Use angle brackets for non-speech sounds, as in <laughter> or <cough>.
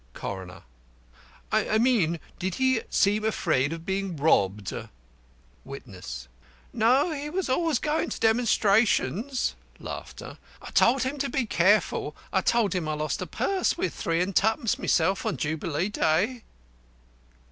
CORONER: I mean did he seem afraid of being robbed? WITNESS: No, he was always goin' to demonstrations. <laughs> I told him to be careful. I told him I lost a purse with 3s. 2d. myself on Jubilee Day.